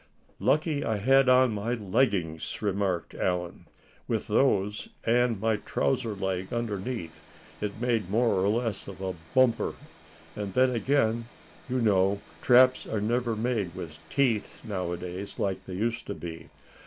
"Lucky I had on my leggings," remarked Allan. "With those, and my trouser leg underneath, it made more or less of a bumper. And then again, you know, traps are never made with teeth nowadays, like they used to be.